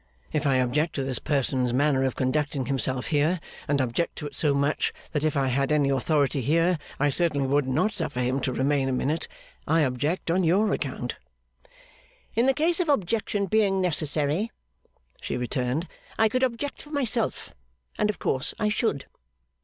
If I object to this person's manner of conducting himself here, and object to it so much, that if I had any authority here I certainly would not suffer him to remain a minute, I object on your account.' 'In the case of objection being necessary,' she returned, 'I could object for myself. And of course I should.